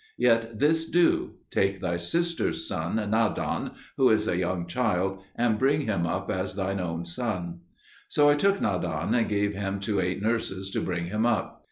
Yet this do: take thy sister's son Nadan, who is a young child, and bring him up as thine own son." So I took Nadan and gave him to eight nurses to bring him up.